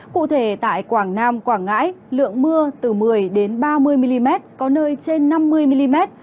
cụ thể tại quảng nam quảng ngãi lượng mưa từ một mươi ba mươi mm có nơi trên năm mươi mm